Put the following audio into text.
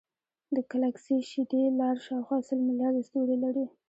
د ګلکسي شیدې لار شاوخوا سل ملیارده ستوري لري.